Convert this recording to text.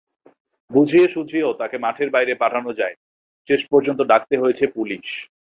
বুঝিয়ে-সুঝিয়েও তাঁকে মাঠের বাইরে পাঠানো যায়নি, শেষ পর্যন্ত ডাকতে হয়েছে পুলিশ।